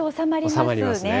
収まりますね。